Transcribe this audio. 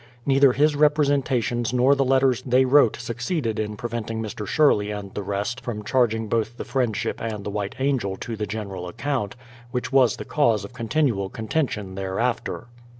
Neither his representations nor the letters they wrote succeeded in preventing Mr. Sherley and the rest from charging both the Friendship and the White Angel to the general account, which was the cause of con tinual contention thereafter.